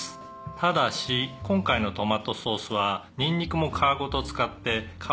「ただし今回のトマトソースはニンニクも皮ごと使って香りは控えめでしたね」